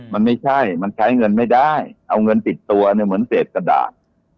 มันไม่ใช่มันใช้เงินไม่ได้เอาเงินติดตัวเนี่ยเหมือนเศษกระดาษ